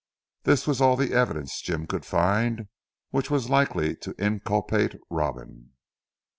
This was all the evidence Jim could find which was likely to inculpate Robin.